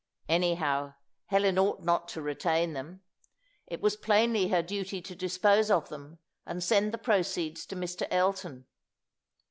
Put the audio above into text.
Anyhow, Helen ought not to retain them. It was plainly her duty to dispose of them, and send the proceeds to Mr. Elton.